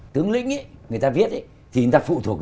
tướng lĩnh người ta viết thì người ta phụ thuộc